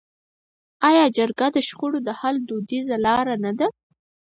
آیا جرګه د شخړو د حل دودیزه لاره نه ده؟